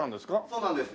そうなんです。